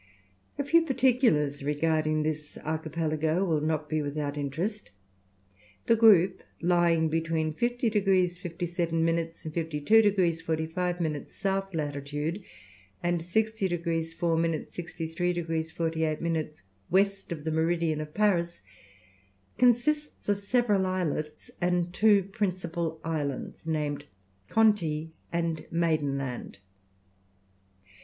A few particulars regarding this archipelago will not be without interest. The group, lying between 50 degrees 57 minutes, and 52 degrees 45 minutes S. latitude, and 60 degrees 4 minutes, 63 degrees 48 minutes west of the meridian of Paris, consists of several islets and two principal islands, named Conti and Maidenland.